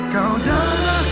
kau dah aku tak bisa